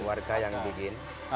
warga yang bikin